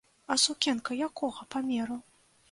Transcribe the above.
А сукенка якога памеру?